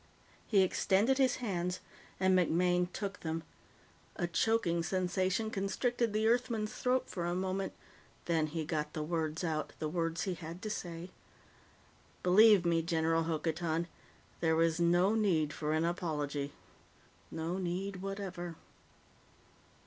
He extended his hands and MacMaine took them. A choking sensation constricted the Earthman's throat for a moment, then he got the words out the words he had to say. "Believe me, General Hokotan, there is no need for an apology. No need whatever."